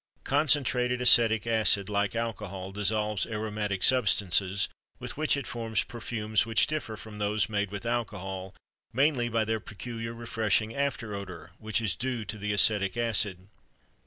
Concentrated acetic acid, like alcohol, dissolves aromatic substances, with which it forms perfumes which differ from those made with alcohol mainly by their peculiar refreshing after odor which is due to the acetic acid.